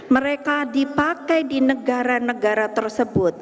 mereka dipakai di negara negara tersebut